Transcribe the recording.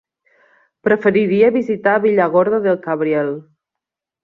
Preferiria visitar Villargordo del Cabriel.